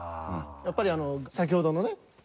やっぱりあの先ほどのね